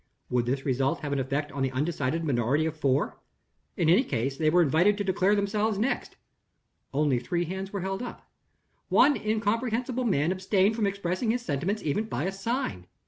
Would this result have an effect on the undecided minority of four? In any case, they were invited to declare themselves next. Only three hands were held up. One incomprehensible man abstained from expressing his sentiments even by a sign.